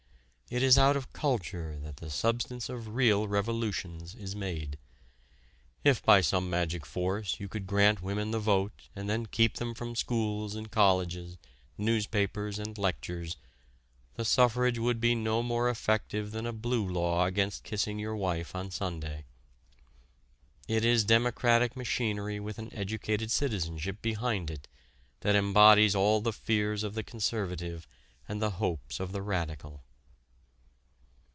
It is out of culture that the substance of real revolutions is made. If by some magic force you could grant women the vote and then keep them from schools and colleges, newspapers and lectures, the suffrage would be no more effective than a Blue Law against kissing your wife on Sunday. It is democratic machinery with an educated citizenship behind it that embodies all the fears of the conservative and the hopes of the radical.